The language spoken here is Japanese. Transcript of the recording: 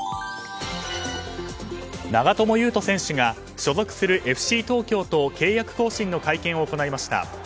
長友佑都選手が所属するＦＣ東京と契約更新の会見を行いました。